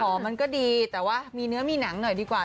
มันก็ดีแต่ว่ามีเนื้อมีหนังหน่อยดีกว่า